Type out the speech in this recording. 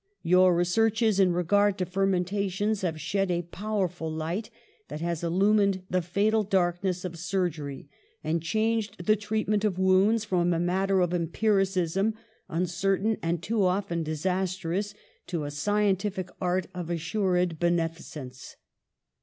Your re searches in regard to fermentations have shed a powerful light 'that has illumined the fatal darkness of surgery and changed the treatment of wounds from a matter of empiricism, uncer tain and too often disastrous, to a scientific art of assured beneficence.